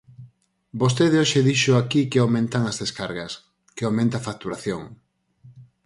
Vostede hoxe dixo aquí que aumentan as descargas, que aumenta a facturación.